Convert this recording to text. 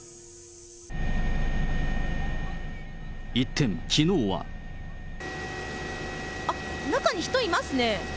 一転、あっ、中に人いますね。